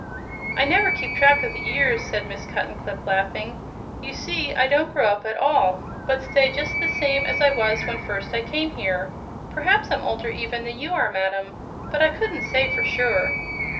"I never keep track of the years," said Miss Cuttenclip, laughing. "You see, I don't grow up at all, but stay just the same as I was when first I came here. Perhaps I'm older even than you are, madam; but I couldn't say for sure."